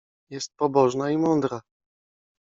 Jest pobożna i mądra.